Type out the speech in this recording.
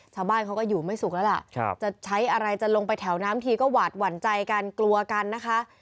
ชาวบ้านเขาก็อยู่ไม่สุขแล้วล่ะจะใช้อะไรจะลงไปแถวน้ำทีก็หวาดหวั่นใจกันกลัวกันนะคะ